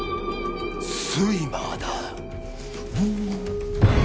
スイマーだ！